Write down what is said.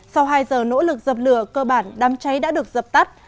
sau hai giờ nỗ lực dập lửa cơ bản đám cháy đã được dập tắt